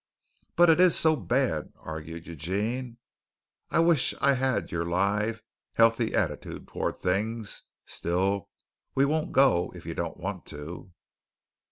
"But it is so bad," argued Eugene. "I wish I had your live, healthy attitude toward things. Still we won't go if you don't want to."